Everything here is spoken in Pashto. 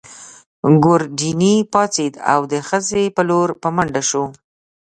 ګوردیني پاڅېد او د خزې په لور په منډه شو.